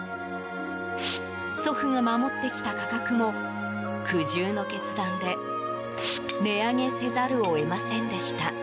祖父が守ってきた価格も苦渋の決断で値上げせざるを得ませんでした。